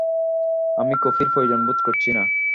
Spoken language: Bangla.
আমি কফির প্রয়োজন বোধ করছি না।